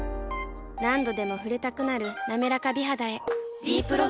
何度でも触れたくなる「なめらか美肌」へ「ｄプログラム」